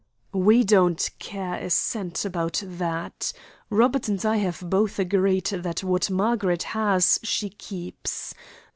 "We don't care a cent about that. Robert and I have both agreed that what Margaret has she keeps.